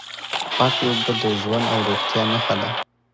پاکې اوبه د ژوند او روغتیا نښه ده.